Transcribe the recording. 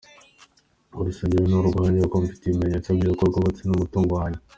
Urwo rusengero ni urwanjye, kuko mfite ibimenyetso by’uko rwubatswe n’umutungo wanjye.